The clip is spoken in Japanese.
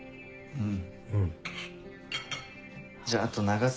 うん。